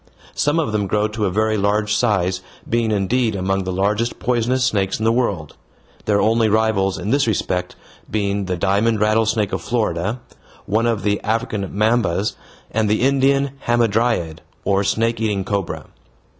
Some of them grow to a very large size, being indeed among the largest poisonous snakes in the world their only rivals in this respect being the diamond rattlesnake of Florida, one of the African mambas, and the Indian hamadryad, or snake eating cobra.